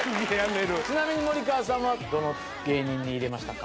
ちなみに森川さんはどの芸人に入れましたか？